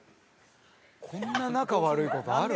こんな仲悪い事ある？